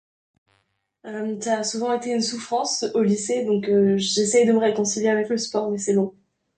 ca a souvent été une souffrance au lycée, donc j'essaye de me réconcilier avec le sport, oui c'est long.